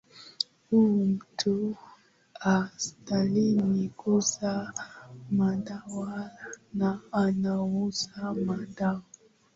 huyu mtu hastahili kuuza madawa na anauza madawa